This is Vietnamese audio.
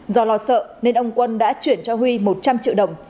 do lo sợ nên ông quân đã chuyển cho huy một trăm linh triệu đồng